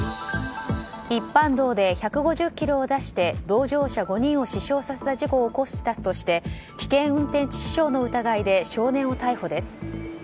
一般道で１５０キロを出して同乗者５人を死傷させた事故を起こしたとして危険運転致死傷の疑いで少年を逮捕です。